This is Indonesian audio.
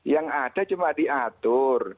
yang ada cuma diatur